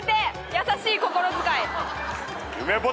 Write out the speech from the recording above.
優しい心遣い。